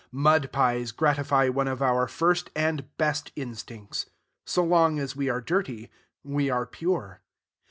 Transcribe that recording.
Mud pies gratify one of our first and best instincts. So long as we are dirty, we are pure.